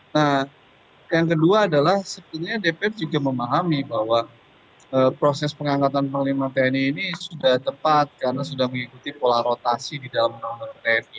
nah yang kedua adalah sebetulnya dpr juga memahami bahwa proses pengangkatan panglima tni ini sudah tepat karena sudah mengikuti pola rotasi di dalam undang undang tni